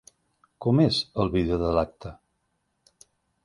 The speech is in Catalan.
Com és el vídeo de l'acte?